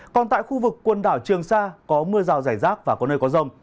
còn tại khu vực quần đảo trường sa có mưa rào rải rác và có nơi có rông